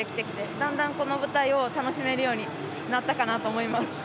だんだん、この舞台を楽しめるようになったかなと思います。